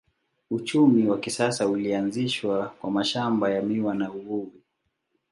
Uchumi wa kisasa ulianzishwa kwa mashamba ya miwa na uvuvi.